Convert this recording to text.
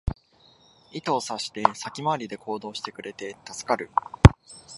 意図を察して先回りで行動してくれて助かる